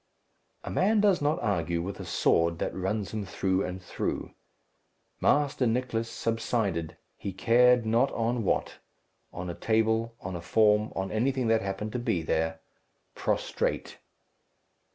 A man does not argue with a sword which runs him through and through. Master Nicless subsided he cared not on what, on a table, on a form, on anything that happened to be there prostrate.